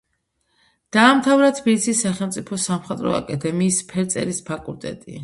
დაამთავრა თბილისის სახელმწიფო სამხატვრო აკადემიის ფერწერის ფაკულტეტი.